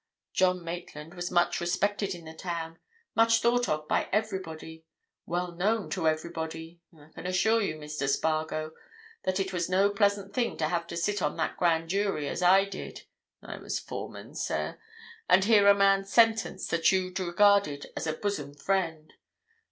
John Maitland was much respected in the town; much thought of by everybody; well known to everybody. I can assure you, Mr. Spargo, that it was no pleasant thing to have to sit on that grand jury as I did—I was its foreman, sir,—and hear a man sentenced that you'd regarded as a bosom friend.